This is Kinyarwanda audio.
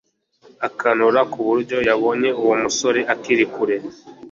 akanura kuburyo yabonye uwo musore akiri kure